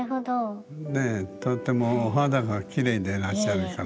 ねえとってもお肌がきれいでらっしゃるから。